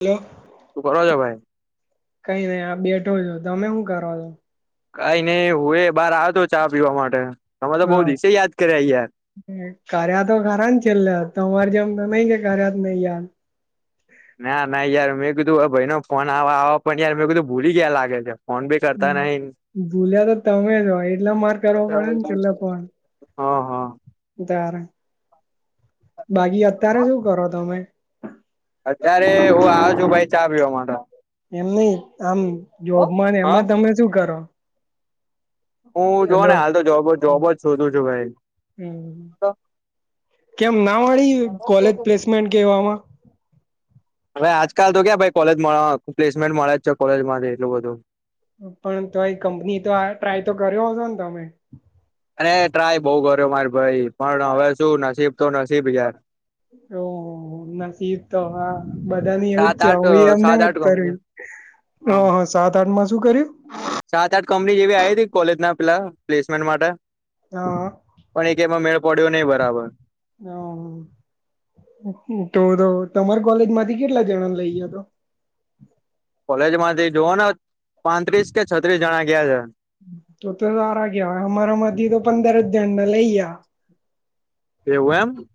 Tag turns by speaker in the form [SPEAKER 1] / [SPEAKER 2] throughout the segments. [SPEAKER 1] Hello.
[SPEAKER 2] તું જ ભાઈ [unintelligible]
[SPEAKER 1] કઈ નઈ આ બેઠો છો તમે શું કરો છો?
[SPEAKER 2] કઈ નહી હું એ બાર આવતો ચા પીવા માટે, તમે તો બઉ દિસે યાદ કર્યા યાર
[SPEAKER 1] કાર્યા તો ખારા છેલ્લે તમારે જેમ તો નહી કે કાર્યા જ નહી યાર.
[SPEAKER 2] ના ના યાર મેં કીધું ભાઈ નો ફોન આવવા આવો પણ યાર મેં કીધું ભૂલી ગયા લાગે છે. ફોન બી કરતા નહી
[SPEAKER 1] ભૂલ્યા તો તમે જ હોય એટલા માર્ કરવા પડે ને છેલ્લા પણ.
[SPEAKER 2] હા હા.
[SPEAKER 1] તરા. બાકી અત્યારે શું કરો તમે?
[SPEAKER 2] અત્યારે હું આવ્યો છું ભાઈ ચા પીવા માટે
[SPEAKER 1] એમ નહી આમ જોબમાંને
[SPEAKER 2] હા
[SPEAKER 1] એમાં તમે શું કરો?
[SPEAKER 2] હું જો
[SPEAKER 1] હેલો
[SPEAKER 2] ને હાલ તો જોબ જોબ જ શોધું છું ભાઈ.
[SPEAKER 1] હમ કેમ ના મળી કોલેજ પ્લેસમેન્ટ કેવામાં?
[SPEAKER 2] હ આજકાલ તો ક્યા ભાઈ કોલેજ પ્લેસમેન્ટ મળે જ છે કોલેજ માંથી એટલું બધું.
[SPEAKER 1] પણ તોય કંપની તો ટ્રાય તો કર્યો છો ને તમે.
[SPEAKER 2] માર ભાઈ પણ હવે શું નસીબ તો નસીબ યાર.
[SPEAKER 1] હ [unintelligible] નસીબ તો હા બધા ની એવું
[SPEAKER 2] સાત
[SPEAKER 1] જ છેું
[SPEAKER 2] આઠ
[SPEAKER 1] એમને
[SPEAKER 2] સાત
[SPEAKER 1] મત
[SPEAKER 2] આઠ
[SPEAKER 1] કર.
[SPEAKER 2] કંપની
[SPEAKER 1] હ
[SPEAKER 2] હા
[SPEAKER 1] હ સાત આઠ માં શું કર્યું.
[SPEAKER 2] સાત આઠ કંપની જેવી આવી હતી કોલેજ ના પેલા પ્લેસમેન્ટ માટે.
[SPEAKER 1] હા
[SPEAKER 2] પણ એક એમાં મેળ પડ્યો નહીિ બરાબર.
[SPEAKER 1] તો તો તમાર કોલેજ માંથી કેટલા જણા લઈયા તો.
[SPEAKER 2] કોલેજ માંથી જોવા.
[SPEAKER 1] તો તો સારા કય અમારા મથી તો પંદર. જણલયા.
[SPEAKER 2] એવું એમ.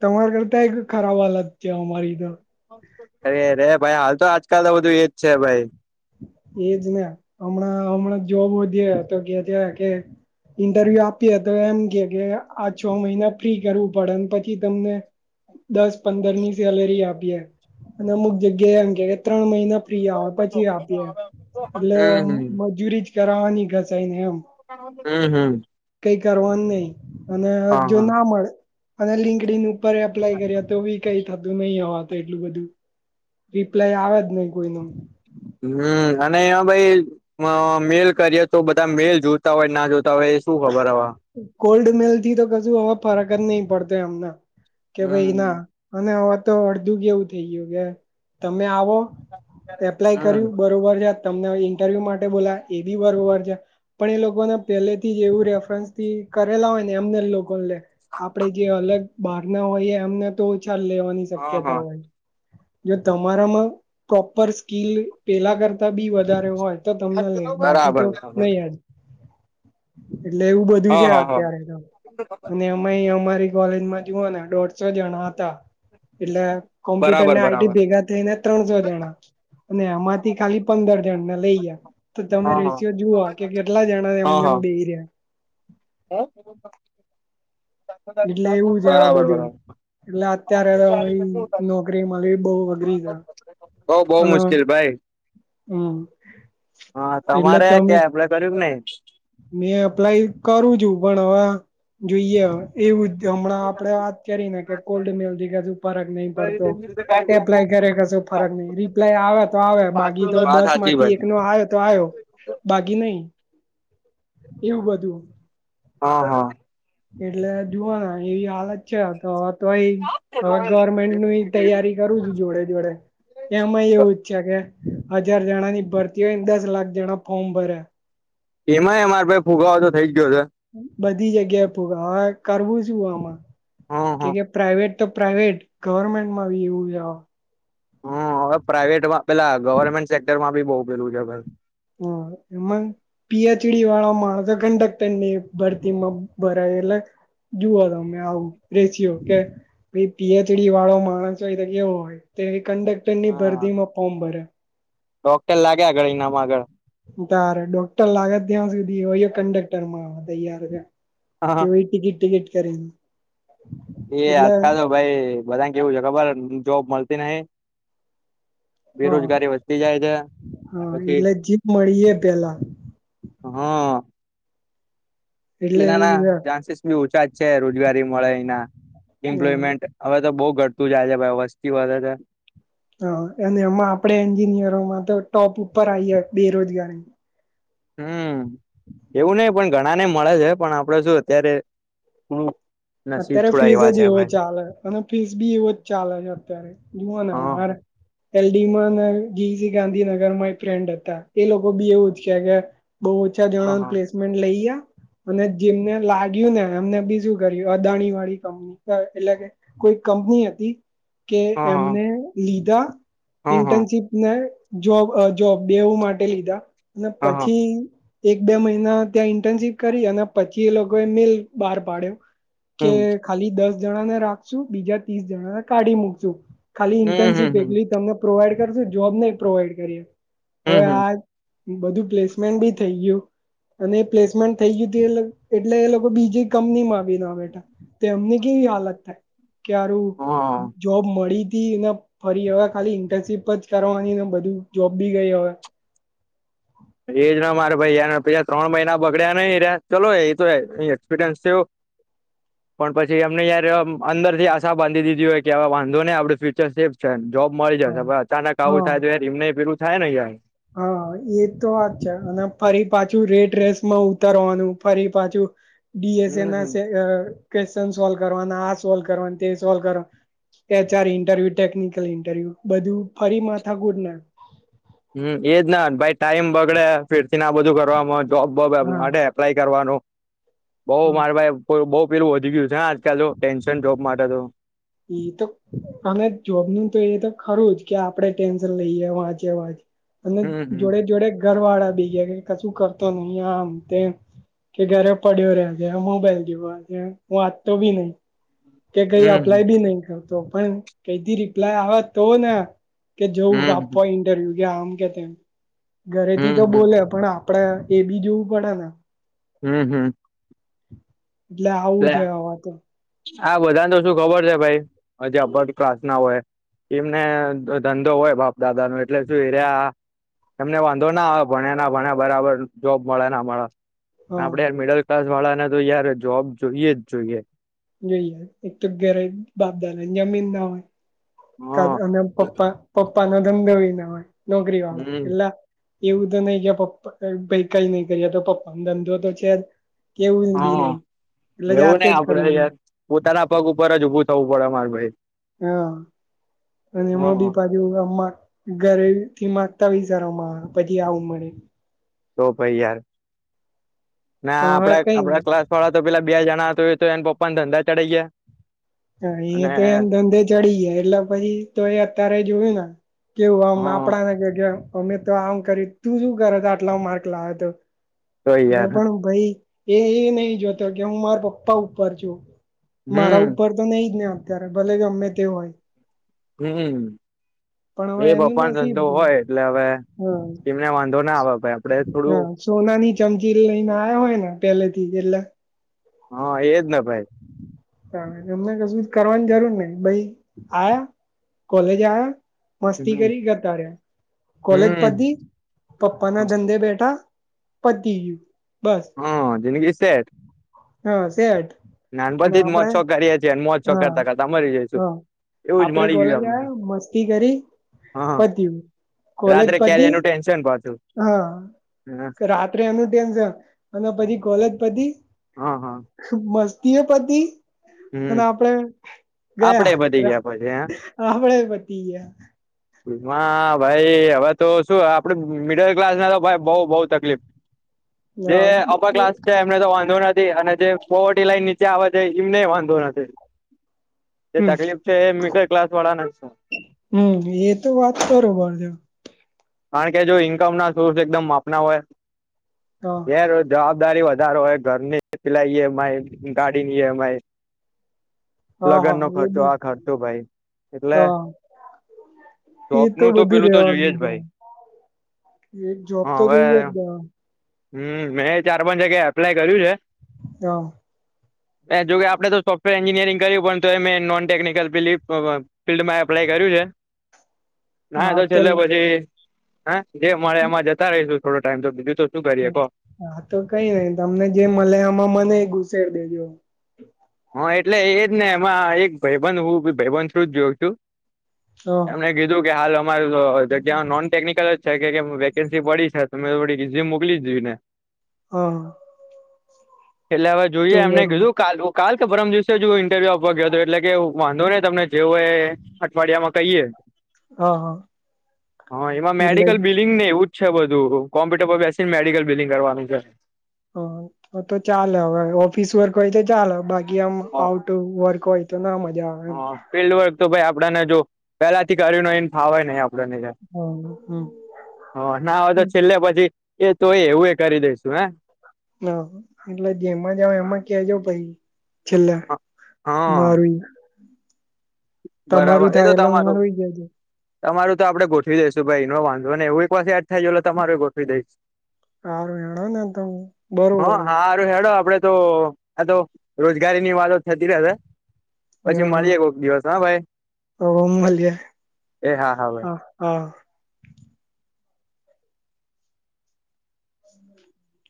[SPEAKER 1] તમારા કરતા એક ખરાબ હાલત છે અમારી તો.
[SPEAKER 2] અરે રે ભાઈ હાલ તો આજકાલ તો બધું એજ છે ભાઈ.
[SPEAKER 1] એજ ને હમણાં હમણાં જોબ વધે તો કે છે કે ઇન્ટરવ્યુ આપીએ તો એમ કે કે આ છ મહિના ફ્રી કરવું પડે પછી તમને દસ પંદર ની સેલેરી આપીએ અને અમુક જગ્યાએ એમ કે કે ત્રણ મહિના ફ્રી આવો પછી આપીએ એટલે
[SPEAKER 2] હમ હમ
[SPEAKER 1] મજૂરી જ કરાવવાની ઘસાઈ ને એમ.
[SPEAKER 2] હમ હમ.
[SPEAKER 1] નહી
[SPEAKER 2] હા
[SPEAKER 1] જો
[SPEAKER 2] હા
[SPEAKER 1] ના મળે લંકર એપ્લાય કર તો. કઈ થતું નહીિ હવા તો એટલું બધું રિપ્લાય આવે જ નહીિ કોઈ ન.
[SPEAKER 2] હમ અને એમાં ભાઈ મેલ કરીએ તો બધા મેલ જોતા હોય ના જોતા. હવે શું ખબર હવે.
[SPEAKER 1] કોલ્ડ મિલ થી તો કજું હવે ફરક જ નહી પડતો એમના કે ભાઈ
[SPEAKER 2] હમ
[SPEAKER 1] ના અને હવે. તો અડધું કેવું થઈ ગયું કે તમે આવો એપ્લાય
[SPEAKER 2] હમ
[SPEAKER 1] કર્યું બરોબર જાત. તમને ઇન્ટરવ્યુ માટે બોલા એ બી વરબર છે પણ એ લોકોને પેલે. થી જેવું રેફરન્સ થી કરેલા હોય ને એમને લોકોને લે આપડે જે અલગ. બહાર ના હોય એમને તોછાલ લેવાની
[SPEAKER 2] હા
[SPEAKER 1] શક્યતા
[SPEAKER 2] હા
[SPEAKER 1] હોય. જો તમારામાં પ્રોપર સ્કીલ પેલા કરતા બી વધારે હોય. તો તમને લે બાકી
[SPEAKER 2] બરાબર
[SPEAKER 1] તો
[SPEAKER 2] બરાબર
[SPEAKER 1] નહી યદ. એટલે એવું બધું
[SPEAKER 2] હા
[SPEAKER 1] છે
[SPEAKER 2] હા હા
[SPEAKER 1] અત્યારે તો અને અમાં અમારી. કોલેજમાં જુઓ ને દોઢસો જણા હતા. એટલે
[SPEAKER 2] બરાબર
[SPEAKER 1] કોમ્પ્યુટરને આઈટી
[SPEAKER 2] બરાબર
[SPEAKER 1] ભેગા થઈને ત્રણસો જણા. અને એમાંથી ખાલી પંદર. લઈ ગયા તો તમે
[SPEAKER 2] હા હા
[SPEAKER 1] રેશિયો જુઓ કે કેટલા જણા
[SPEAKER 2] હા
[SPEAKER 1] એમને એમ
[SPEAKER 2] હા
[SPEAKER 1] બેશી રહ્યા.
[SPEAKER 2] [unintelligible]
[SPEAKER 1] એટલે એવું છે આ
[SPEAKER 2] બરાબર
[SPEAKER 1] બધું
[SPEAKER 2] બરાબર.
[SPEAKER 1] એટલે અત્યારે તો ભાઈ નોકરી મળવી બહુ અઘરી છે
[SPEAKER 2] ઓ બહું
[SPEAKER 1] અને
[SPEAKER 2] મુશ્કેલ ભાઈ.
[SPEAKER 1] હમ
[SPEAKER 2] હા
[SPEAKER 1] એટલે
[SPEAKER 2] તમારે
[SPEAKER 1] તમે
[SPEAKER 2] ક્યાં એપ્લાય કર્યું કે નહી.
[SPEAKER 1] મેં અપ્લાય કરું છું પણ હવે જોઈએ એવું હમણાં આપડે વાત કરી ને કે કોલ્ડ મિલ હજુ ફરક નહી પડતો. એપ્લાય કરે કશો ફરક નહી રિપ્લાય આવે તો
[SPEAKER 2] નઈ
[SPEAKER 1] આવે બાકી તો
[SPEAKER 2] વાત
[SPEAKER 1] દસ
[SPEAKER 2] હાચી
[SPEAKER 1] માંથી એક
[SPEAKER 2] ભાઈ
[SPEAKER 1] નો આવે તો આવ્યો. બાકી નહી. એવું બધું.
[SPEAKER 2] હા હા.
[SPEAKER 1] એટલે જોવોને એવી હાલત છે તો તો અ હવે ગવર્મેન્ટ નું તૈયારી કરું છું જોડે જોડે. એમાં એવું છે કે હજાર જણાની ભરતી હોયને દસ લાખ જણા ફોર્મ ભરે.
[SPEAKER 2] એમાંય અમારે ભાઈ ફુગવો તો થઇ ગયો છે.
[SPEAKER 1] બધી જગ્યાએ ફૂગાવો હવે કરવું શું આમાં
[SPEAKER 2] હા
[SPEAKER 1] કે
[SPEAKER 2] હા
[SPEAKER 1] કે પ્રાઈવેટ તો પ્રાઈવેટ ગવર્મેન્ટમાં બી એવું.
[SPEAKER 2] હમ હવે પ્રાઈવેટમાં પેલા ગવર્મેન્ટ સેક્ટરમાં બી બહુ પેલું છે
[SPEAKER 1] હા એમાં પીએચડી વાળા માણસો કંડક્ટર ની ભરતીમાં ભરાય એટલે. જુઓ તમે આવું રેસીઓ કે પીએચડી વાળો માણસ હોય તો કેવો હોય કંડક્ટર ની
[SPEAKER 2] હા
[SPEAKER 1] ભરદીમાં પોર્મ ભર્યા
[SPEAKER 2] ડોક્ટર લાગે આગળ એનામાં આગળ
[SPEAKER 1] તારે ડોક્ટર લાગે ત્યાં સુધી હોય કંડક્ટર માં તૈયાર કેય ટિકિટ ટિકિટ કરીને.
[SPEAKER 2] એ
[SPEAKER 1] એટલે
[SPEAKER 2] આજકાલ તો ભાઈ બધાને કેવું છે, ખબર જોબ મળતી નહી
[SPEAKER 1] હા
[SPEAKER 2] બેરોજગારી વધતી જાય છે
[SPEAKER 1] હા
[SPEAKER 2] પછી
[SPEAKER 1] એટલે જીપ મળી એ પેલા
[SPEAKER 2] હમ.
[SPEAKER 1] એટલે
[SPEAKER 2] એનાના
[SPEAKER 1] એવું છે
[SPEAKER 2] ચાન્સીસ બી ઓછા જ છે રોજગારી મળે એના.
[SPEAKER 1] હા
[SPEAKER 2] એમ્પ્લોયમેન્ટ હવે તો બહુ ઘટતું જાય છે ભાઈ વસ્તી વધે છે.
[SPEAKER 1] હા અને એમાં આપણે એન્જિનિયરોમાં તો ટોપ ઉપર આવીએ બેરોજગારી
[SPEAKER 2] હમ એવું નહ પણ ઘણા ને મળે છે પણ આપડે શું અત્યારે નસીબ
[SPEAKER 1] અત્યારે
[SPEAKER 2] થોડા
[SPEAKER 1] ફીઝ
[SPEAKER 2] એવા
[SPEAKER 1] જ
[SPEAKER 2] છે
[SPEAKER 1] એવો
[SPEAKER 2] ભાઈ
[SPEAKER 1] ચાલે
[SPEAKER 2] હા
[SPEAKER 1] [inaudible] એલડીમાં બહું ઓછા
[SPEAKER 2] હા
[SPEAKER 1] જણાને
[SPEAKER 2] હા
[SPEAKER 1] પ્લેસમેન્ટ લઈયા અને જેમને લાગ્યું ને એમને બીજું કર અદાણી વાળી કંપની એટલે કે
[SPEAKER 2] હા હા
[SPEAKER 1] એમને લીધા
[SPEAKER 2] હા હા
[SPEAKER 1] ઇન્ટર્નશીપ ને જોબ જોબ બેવું માટે લીધા અને
[SPEAKER 2] હા હા
[SPEAKER 1] પછી એક બે મહિના ત્યાં ઇન્ટર્નશીપ કરી અને પછી એ લોકોએ મેલ બહાર પાડ્યો કે
[SPEAKER 2] હમ
[SPEAKER 1] ખાલી દસ જણા ને રાખશું બીજા ત્રીસ જણાને કાઢી મૂકશું ખાલી
[SPEAKER 2] હમ
[SPEAKER 1] ઇન્ટર્નશીપ
[SPEAKER 2] હમ હમ
[SPEAKER 1] એલી તમને પ્રોવાઈડ કરશું જોબ નહી પ્રોવાઈડ કરીએ હવે
[SPEAKER 2] હમ હમ
[SPEAKER 1] આ બધું પ્લેસમેન્ટ બી થઇ ગયું. અને એ પ્લેસમેન્ટ થઈ ગયું એ એટલે એ લોકો બીજી કંપની માં આવી ના તો એમની કેવી હાલત થાય કે હારું
[SPEAKER 2] હા
[SPEAKER 1] જોબ મળી તીને ફરી હવે ખાલી ઇન્ટર્નશીપ જ કરવાની બધું જોબ બી ગઈ હવે [inaudible]
[SPEAKER 2] એજ ના મારે ભાઈ યાર પ ત્રણ મહિના બગડ્યા નહી ચલોો એ તો એક્સપિરિયન્સ છેું પણ પછી એમને યાર અંદર થી આશા બાંધી દીધી હોય કે વાંધો ને આપડું ફ્યુચર સેફ છે જોબ મળી જશે
[SPEAKER 1] હા
[SPEAKER 2] ભ અચાનક આવું
[SPEAKER 1] હા
[SPEAKER 2] થાયયાર એમને પેરું થાય ને યાર
[SPEAKER 1] હા એ તો વાત છે અને ફરી પાછું રેટ રેસ માં ઉતરવાનું ફરી પાછું ડીએસએ ના
[SPEAKER 2] હમ
[SPEAKER 1] ક્વેશન સોલ્વ કરવા આ સોલ્ કરવા તે સોલ્વ કરવા H R interview technical interview બધું ફરી માથાકુટ ના
[SPEAKER 2] હમ એજ ના ભાઈ ટાઈમ બગડે ફેર ને આ બધું કરવાવામાં જોબબ
[SPEAKER 1] હા
[SPEAKER 2] એપ્લાય કરવાનું બઉ
[SPEAKER 1] હા
[SPEAKER 2] મારે ભાઈ બઉુ પેલું વધી ગયું છેજ ચાલ ટેન્શન ડ્રોપ માટે હતું
[SPEAKER 1] એ તો અને જોબનું તો એ તો ખરું જ કે આપણેે ટેન્શન લઈએ વાંચે વાંચે અને
[SPEAKER 2] હમ હમ
[SPEAKER 1] જોડે જોડે ઘર વાળા બી ગયા કશું કરતો નહી આમ તેમ કે ઘરે પડ્યો રહ્યા છે મોબાઈલ જેવ છે હું વાચતો બી નહી કે કઈ અપ્લાય
[SPEAKER 2] હમ
[SPEAKER 1] બી નહી કરતો પણ કઈથી રિપ્લાય આવે તો ને કે જોવું આપો
[SPEAKER 2] હમ
[SPEAKER 1] ઇન્ટરવ્યુ કે આમ કે તેમ ઘરેથી તો
[SPEAKER 2] હમ હમ
[SPEAKER 1] બોલે પણ આપ આપડા એ બી જોવું પડે ને
[SPEAKER 2] હમ હમ
[SPEAKER 1] એટલે આવું છે હવા તો
[SPEAKER 2] આ બધાને તો શું ખબર છે ભાઈ હજી અર ક્લાસ ના હોય એમને ધંધો હોય બાપ દાદા ન એટલે શું એ રહ્યા એમને વાંધો ના આવે ભણેયા ના ભણેયા બરાબર જોબ મળે ના મળે
[SPEAKER 1] હા
[SPEAKER 2] આપડે યાર મિડલ ક્લાસ વાળાને તો યાર જોબ જોઈએ જ જોઈએ
[SPEAKER 1] જોઈ એક તો ઘરે બાપદાદાને જમીન ના હોય
[SPEAKER 2] હ
[SPEAKER 1] અને પપ્પા પપ્પા નો ધંધો વિ ના હોય નોકરી વાળો
[SPEAKER 2] હમ
[SPEAKER 1] એટલા એવું તો નહી કે પપ્પા કઈ કઈ નહી કર્યા તો પપ્પાનો ધંધો તો છે જ કેવું બી
[SPEAKER 2] હા
[SPEAKER 1] નહી એટલે
[SPEAKER 2] એવું
[SPEAKER 1] જાતે
[SPEAKER 2] નહ
[SPEAKER 1] જ
[SPEAKER 2] આપડે
[SPEAKER 1] કરવું
[SPEAKER 2] યાર પોતાના પગ ઉપર જ ઉભું થવું પડે અમારે ભાઈ
[SPEAKER 1] હા અને એમાં
[SPEAKER 2] હા
[SPEAKER 1] બી પાછું અમ ઘરે થી માંગતા વિચારો માં પછી આવું મળે
[SPEAKER 2] તો ભાઈ યાર ના
[SPEAKER 1] પણ હવે
[SPEAKER 2] આપડા આપડા
[SPEAKER 1] કઈ
[SPEAKER 2] ક્લાસ વાળા તો પેલા બે જણા તો એ તો એને પપ્પા ને ધંધા ચઢાઈ ગયા
[SPEAKER 1] હા એ
[SPEAKER 2] અને
[SPEAKER 1] તો એમ ધંધે ચડી ગયા એટલે પછી તો એ અત્યારે જોયું ને કેવું આમ
[SPEAKER 2] હા
[SPEAKER 1] આપણાને કે અમે તો આમ કરી તું શું કરે તો આટલો માર્ક લાવે તો
[SPEAKER 2] તો
[SPEAKER 1] અરે
[SPEAKER 2] યાર
[SPEAKER 1] પણ હ ભાઈ એ એ નહી જોતો કે હું મારા પપ્પા ઉપર છું મારા
[SPEAKER 2] હમ
[SPEAKER 1] ઉપર તો નઈ જ ને અત્યારે ભલે કે ગમે તે હોય
[SPEAKER 2] હમ
[SPEAKER 1] પણ હવે
[SPEAKER 2] એ
[SPEAKER 1] એની
[SPEAKER 2] બપાર ધંધો
[SPEAKER 1] નાસીબ
[SPEAKER 2] હોય એટલે હવે
[SPEAKER 1] હા
[SPEAKER 2] એમને વાંધો ના આવે ભાઈ આપડે થોડું
[SPEAKER 1] હા સોનાની ચમચીલ લઈને આવ હોય ને પેલેથી એટલે
[SPEAKER 2] હા એજ ના ભાઈ
[SPEAKER 1] તમને કશું કરવાની જરૂર નઈ ભાઈ આવ્યા કોલેજ આવ્યા મસ્તી
[SPEAKER 2] હમ
[SPEAKER 1] કરી ગતારયા કોલેજ
[SPEAKER 2] હમ
[SPEAKER 1] પતિ પપ્પાના ધંધે બેઠા પતિ ગયું બસ
[SPEAKER 2] હા જિંદગી સેટ
[SPEAKER 1] હા સેટ
[SPEAKER 2] નાનપણ
[SPEAKER 1] ને
[SPEAKER 2] થીજ મોજ
[SPEAKER 1] આપડે
[SPEAKER 2] શોક કરીએ છીએ અને મોજ શોક
[SPEAKER 1] હા
[SPEAKER 2] કરતા કરતા મરી જઈશું
[SPEAKER 1] હા
[SPEAKER 2] એવું જ
[SPEAKER 1] આપડે
[SPEAKER 2] મળી
[SPEAKER 1] કોલેજ
[SPEAKER 2] ગયું અમને
[SPEAKER 1] આયા મસ્તી કરી
[SPEAKER 2] હા
[SPEAKER 1] પતયું કોલેજ
[SPEAKER 2] રાત્રે
[SPEAKER 1] પતી
[SPEAKER 2] કેરીયર નું ટેન્શન પાછું
[SPEAKER 1] હા રાત્રે એનુ તેમ છે અને પછી કોલેજ પતી
[SPEAKER 2] હા હા
[SPEAKER 1] તીએ પતિ
[SPEAKER 2] હમ
[SPEAKER 1] અને આપડે
[SPEAKER 2] આપડે પતી
[SPEAKER 1] ગયા
[SPEAKER 2] પછી હે
[SPEAKER 1] આપડે પતિ ગયા
[SPEAKER 2] માં ભાઈ હવે તો શું આપડ મિડલ ક્લાસ ના તો ભઈ બઉ બઉ તકલીફ જે
[SPEAKER 1] ગયા
[SPEAKER 2] અપર ક્લાસ છે એમને તો વાંધો નથી અને જે પોવરટી લાઈન નીચે આવે એમને વાંધો નથી જે
[SPEAKER 1] હમ
[SPEAKER 2] તકલીફ છે એ મિડલ ક્લાસ વાળાને જ છે
[SPEAKER 1] હમ એ તો વાત બરોબર છે
[SPEAKER 2] કારણ કે જો ઈન્કમ ના સોર્સ એકદમ માપના હોય
[SPEAKER 1] હા
[SPEAKER 2] [unintelligible] દારી વધારો હોય ઘરની પિલાની ઇ. એમ. આઈ ગાડીની ઈ. એમ. આઈ
[SPEAKER 1] હા હા એ બી
[SPEAKER 2] આ ખર્ચો ભાઈ એટલે
[SPEAKER 1] હા એ
[SPEAKER 2] જોબ
[SPEAKER 1] તો
[SPEAKER 2] નું
[SPEAKER 1] બધું
[SPEAKER 2] પેલું તો જોઈએ જ ભાઈ
[SPEAKER 1] રેવાનું એક
[SPEAKER 2] હ
[SPEAKER 1] જોબ તો
[SPEAKER 2] હવે
[SPEAKER 1] જોઈ આપ [unintelligible]
[SPEAKER 2] હમ મેં ચાર પાંચ જગ્યા એપ્લાય કર્યુ છે
[SPEAKER 1] હ
[SPEAKER 2] જોકે આપડણે તો સોફ્ટવેર એન્જિનિયરિંગ કર્યું પણ તો એમે નોન ટેકનિકલ ફિલ્ડમાં એપ્લાય. કર્યું છે.
[SPEAKER 1] [inaudible]
[SPEAKER 2] ના તો છેલ્લે પછી હા જે મળે એમાં જતા રહીશું થોડો ટાઈમ તો બીજું તો. શું કરીએ કહો
[SPEAKER 1] હા તો કઈ નઈ તમને જે મળે આમાં મને એ ઘુસેર દેજો.
[SPEAKER 2] હા એટલે એજ ને એમાં એક ભાઈબન હુંી ભાઈબંધ શું જ જોઉ છું.
[SPEAKER 1] હા
[SPEAKER 2] એમને કીધું કે હાલ અમાર જગ્યા નોન ટેકનિકલ જ. કે વેકેન્સી પડી છે મે થોડીઝમ મોકલી જો ને.
[SPEAKER 1] હા.
[SPEAKER 2] એટલે હવે
[SPEAKER 1] તો
[SPEAKER 2] જોઈએ એમને
[SPEAKER 1] બરોબર
[SPEAKER 2] કીધું કાલવું. કાલ કે પરમ દિવસે જો ઇન્ટરવ્યુ આપવા ગયો હતો એટલે કે વાંધો નહી તમને જેવું એ અઠવાડિયા માં કહીએે.
[SPEAKER 1] હા હા
[SPEAKER 2] હા એમાં
[SPEAKER 1] એટલે
[SPEAKER 2] મેડિકલ બિલિંગ ને એવું. છે બધું કોમ્પ્યુટર બેસીને મેડિકલ બિલ્ડિંગ કરવાનું છે.
[SPEAKER 1] હ તો ચાલે હવે ઓફિસ વર્ક હોય તો ચાલલે હ બાકી. ગમ આઉટ વર્ક આયતો ના. મજા આવે એમ
[SPEAKER 2] હ ફિલ્ડ વર્ક તો ભાઈ આપડને જો પેલા થી કર્યું ન એને ફાવે નહ આપ. જ હ ના હોય તો
[SPEAKER 1] હમ
[SPEAKER 2] છેલ્લે પછી. એ તો એ હવું એ કરી દઈસુ હે.
[SPEAKER 1] હ એટલે જેમાં જાાવ એમાં ક જાાવ પછી. છેલા
[SPEAKER 2] હા
[SPEAKER 1] મારવી.
[SPEAKER 2] બરાબર એ તો
[SPEAKER 1] એટલે
[SPEAKER 2] તમારું.
[SPEAKER 1] મારું જજે
[SPEAKER 2] તમારું તો આપડે ગોઠવી દઈશું ભાઈ એનો વાંધો ને એવું એક પા યાદ થ જાય તો તમારું ગોઠવી દઈશું.
[SPEAKER 1] હારું હેડો ને તમે
[SPEAKER 2] હ
[SPEAKER 1] બરોબર
[SPEAKER 2] હાારું હેડો આપડે તો. આ તો રોજગારી ની વાતો થતી રહેશે પછી મળીએ કોક દિવસ. હા ભાઈ
[SPEAKER 1] ઓમ મળલે હા હા. હ.